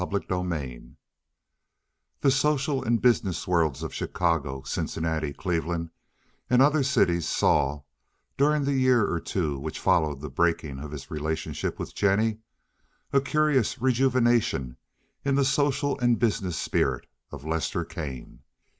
CHAPTER LV The social and business worlds of Chicago, Cincinnati, Cleveland, and other cities saw, during the year or two which followed the breaking of his relationship with Jennie, a curious rejuvenation in the social and business spirit of Lester Kane.